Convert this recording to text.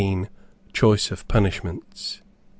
CHOICE OF PUNISHMENTS.